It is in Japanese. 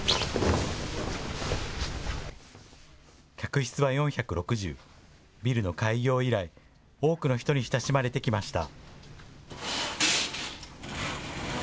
客室は４６０、ビルの開業以来、多くの人に親しまれてきました。